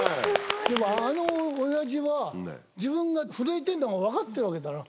でもあのおやじは、自分が震えてるのが分かってるわけだろ。